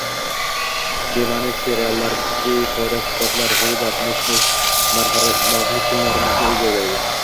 Bema’ni seriallar, befoyda suhbatlar, g‘iybat, mishmish, masxarabozlik kunlarimizni egovlaydi.